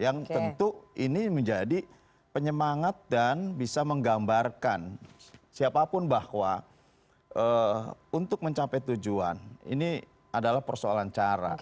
yang tentu ini menjadi penyemangat dan bisa menggambarkan siapapun bahwa untuk mencapai tujuan ini adalah persoalan cara